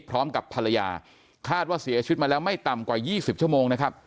พร้อมกับภรรยาคาดว่าเสียชีวิตมาแล้วไม่ต่ำกว่า๒๐ชั่วโมงนะครับ